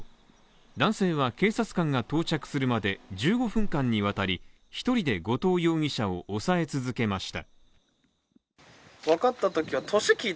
男性は警察官が到着するまで１５分間にわたり、１人で後藤容疑者を押さえ続けました。